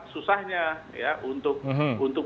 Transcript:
susahnya ya untuk